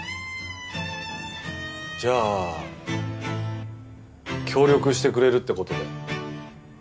じゃあ協力してくれるって事で。